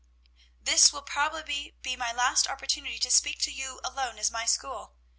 "This will probably be my last opportunity to speak to you alone as my school.